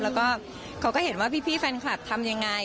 แล้วก็เขาก็เห็นว่าพี่แฟนคลับทำยังไง